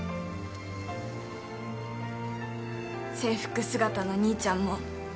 制服姿の兄ちゃんも。